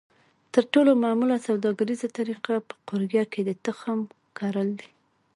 تر ټولو معموله سوداګریزه طریقه په قوریه کې د تخم کرل دي.